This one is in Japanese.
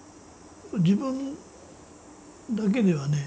自分だけではね